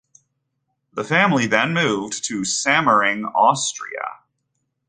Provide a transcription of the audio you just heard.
The family then moved to Semmering, Austria.